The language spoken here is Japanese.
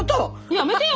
やめてよ！